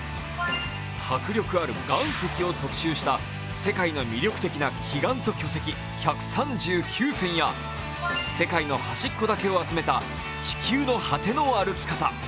迫力ある岩石を特集した「世界の魅力的な奇岩と巨石１３９選」や世界の端っこだけを集めた「地球の果ての歩き方」